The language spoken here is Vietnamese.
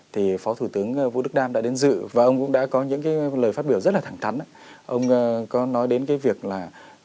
thì phó thủ tướng vũ đức đam đã đến dự và ông cũng đã có những lời phát biểu rất là thẳng thắn ông có nói đến việc là văn hóa của chúng ta đang kết thúc